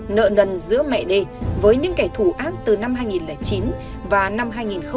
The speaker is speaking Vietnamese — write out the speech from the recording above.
nợ nần giữa mẹ đê với những kẻ thù ác từ năm hai nghìn chín và năm hai nghìn một mươi